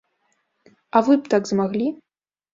А вы б так змаглі?